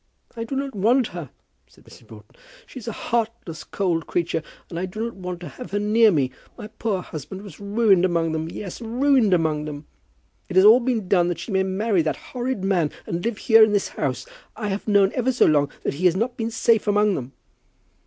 "I do not want her," said Mrs. Broughton. "She is a heartless cold creature, and I do not want to have her near me. My poor husband was ruined among them; yes, ruined among them. It has all been done that she may marry that horrid man and live here in this house. I have known ever so long that he has not been safe among them."